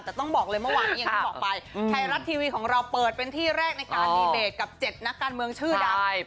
แต่ต้องบอกเลยเมื่อวานนี้อย่างที่บอกไปไทยรัฐทีวีของเราเปิดเป็นที่แรกในการดีเบตกับ๗นักการเมืองชื่อดัง